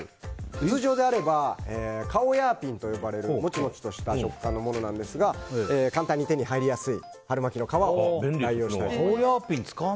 通常であればカオヤーピンと呼ばれるモチモチとした食感のものなんですが簡単に手に入りやすい春巻きの皮で代用します。